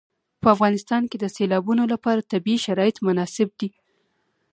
په افغانستان کې د سیلابونو لپاره طبیعي شرایط مناسب دي.